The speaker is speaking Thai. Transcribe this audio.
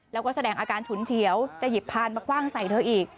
แล้วก็แสดงอาการฉุนเฉียวจะหยิบพานมาคว่างใส่เธออีก